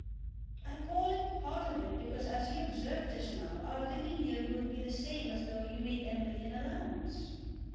"I call it part of it, because, as you observed just now, our living here will be the same as though you made Emily an allowance."